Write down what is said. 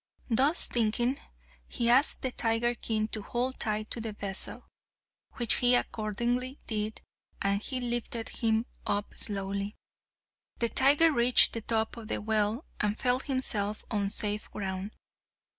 Thus thinking, he asked the tiger king to hold tight to the vessel, which he accordingly did, and he lifted him up slowly. The tiger reached the top of the well and felt himself on safe ground.